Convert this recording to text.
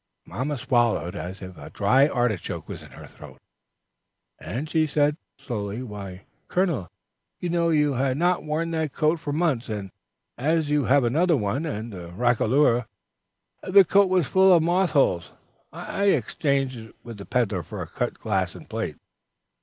Mamma swallowed as if a dry artichoke was in her throat, as she said, slowly, "Why, colonel, you know you had not worn that coat for months, and as you have another one, and a roquelaure, and the coat was full of moth holes, I exchanged it with the peddler for cut glass and plate."